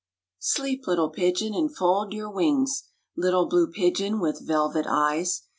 Sleep little pigeon and fold your wings, Little blue pigeon with velvet eyes.